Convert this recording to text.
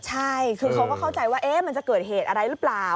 ใช่คือเขาก็เข้าใจว่ามันจะเกิดเหตุอะไรหรือเปล่า